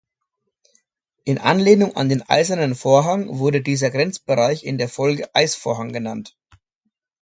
In Anlehnung an den Eisernen Vorhang wurde dieser Grenzbereich in der Folge "Eis-Vorhang" genannt.